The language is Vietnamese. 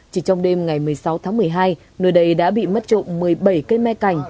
chỉ trong đêm ngày một mươi sáu tháng một mươi hai nơi đây đã bị mất trộm một mươi bảy cây me cảnh